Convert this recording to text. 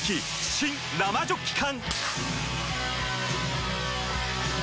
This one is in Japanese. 新・生ジョッキ缶！